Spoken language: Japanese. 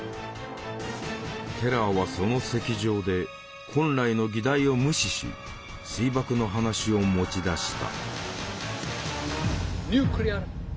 テラーはその席上で本来の議題を無視し水爆の話を持ち出した。